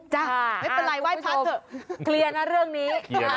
คุณผู้ชมเคลียร์นะเรื่องนี้